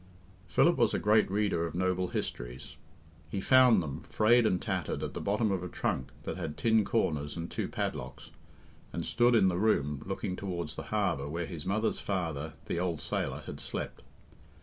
Philip was a great reader of noble histories. He found them, frayed and tattered, at the bottom of a trunk that had tin corners and two padlocks, and stood in the room looking towards the harbour where his mother's father, the old sailor, had slept.